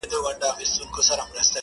هیڅوک نه وايي چي عقل مرور دی-